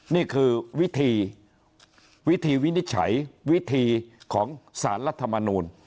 นี่คือวิธีวิธีวินิจฉัยวิธีของสารรัฐมนูล